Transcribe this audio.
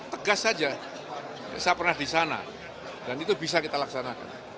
tegas saja saya pernah di sana dan itu bisa kita laksanakan